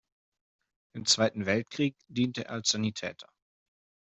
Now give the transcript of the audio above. Im Zweiten Weltkrieg diente er als Sanitäter.